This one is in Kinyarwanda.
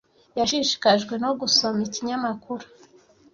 Yashishikajwe no gusoma ikinyamakuru.